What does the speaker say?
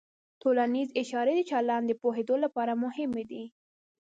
ټولنیز اشارې د چلند پوهېدو لپاره مهمې دي.